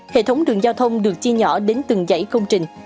hệ thống đường giao thông được chia nhỏ đến từng dãy công trình